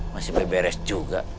masih beberes juga